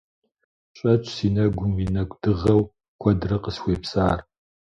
Щӏэтщ си нэгум уи нэкӏу дыгъэу куэдрэ къысхуепсар.